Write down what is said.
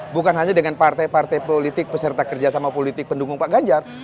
bukan hanya dengan partai partai politik peserta kerjasama politik pendukung pak ganjar